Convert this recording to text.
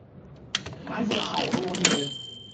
埋伏了好多天